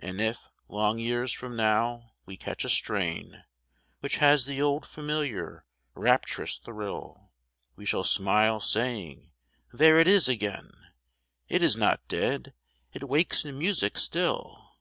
And if, long years from now, we catch a strain Which has the old, familiar, rapturous thrill, We shall smile, saying, " There it is again ! It is not dead, it wakes in music still.